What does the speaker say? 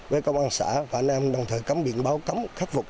với công an xã và anh em đồng thời cấm biển báo cấm khắc phục